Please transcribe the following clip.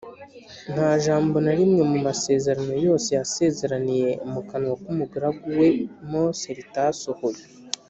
Nta jambo na rimwe mu masezerano yose yasezeraniye mu kanwa k’umugaragu we Mose, ritasohoye